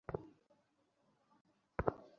সন্ধ্যায় করবো morning- walk.